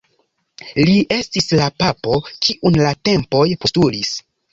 Li estis la papo kiun la tempoj postulis.